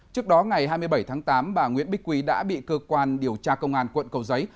trước đó ngày hai mươi bảy tháng tám bà nguyễn bích quy đã bị cơ quan điều tra công an quận cầu giấy